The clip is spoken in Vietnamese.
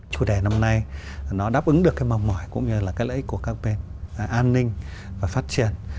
chủ đề năm nay nó đáp ứng được cái mong mỏi cũng như là cái lợi ích của các bên an ninh và phát triển